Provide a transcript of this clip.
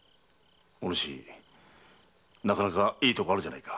お主なかなかいいところがあるじゃないか。